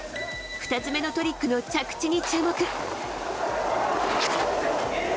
２つ目のトリックの着地に注目。